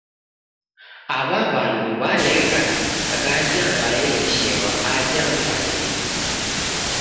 Aw'a w'andu w'alegha ghaja w'aelesherwa aja w'ughangenyi.